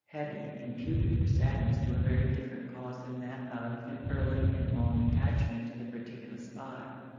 Headly imputed her sadness to a very different cause than that of an early and long attachment to a particular spot.